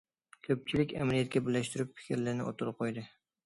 كۆپچىلىك ئەمەلىيەتكە بىرلەشتۈرۈپ پىكىرلىرىنى ئوتتۇرىغا قويدى.